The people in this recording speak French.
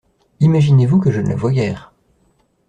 Imaginez-vous que je ne la vois guère.